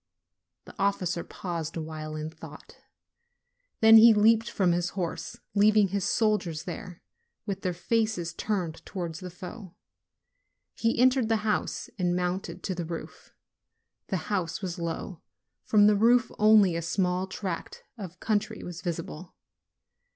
The officer paused a while in thought ; then he leaped from his horse, leaving his soldiers there, with their faces turned towards the foe, he entered the house and mounted to the roof. The house was low; from the roof only a small tract of country was visible.